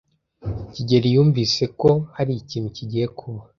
kigeli yumvise ko hari ikintu kigiye kuba.